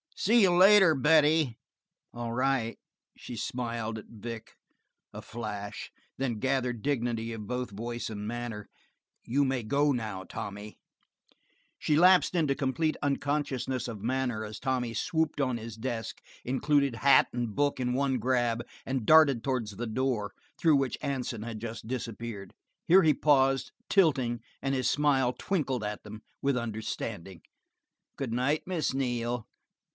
"See you later, Betty." "All right." She smiled at Vic a flash and then gathered dignity of both voice and manner. "You may go now, Tommy." She lapsed into complete unconsciousness of manner as Tommy swooped on his desk, included hat and book in one grab, and darted towards the door through which Hansen had just disappeared. Here he paused, tilting, and his smile twinkled at them with understanding. "Good night, Miss Neal.